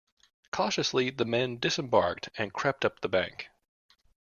Cautiously the men disembarked and crept up the bank.